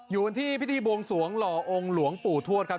อยู่กันที่พิธีบวงสวงหล่อองค์หลวงปู่ทวดครับ